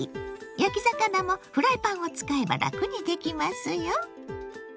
焼き魚もフライパンを使えばラクにできますよ。